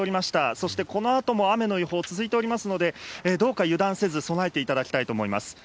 そしてこのあとも雨の予報、続いておりますので、どうか油断せず備えていただきたいと思います。